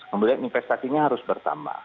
kemudian investasinya harus bertambah